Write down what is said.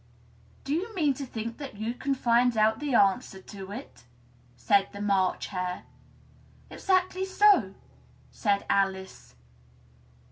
"Do you mean that you think you can find out the answer to it?" said the March Hare. "Exactly so," said Alice.